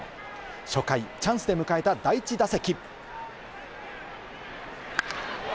初回、チャンスで迎えた第１打席。